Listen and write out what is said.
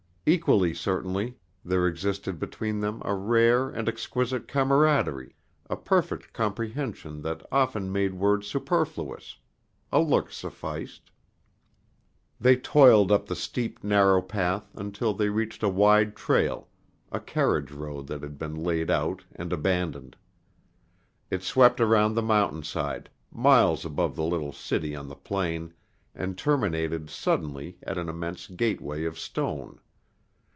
Equally certainly there existed between them a rare and exquisite camaraderie, a perfect comprehension that often made words superfluous. A look sufficed. They toiled up the steep, narrow path until they reached a wide trail, a carriage road that had been laid out and abandoned. It swept around the mountain side, miles above the little city on the plain, and terminated suddenly at an immense gateway of stone.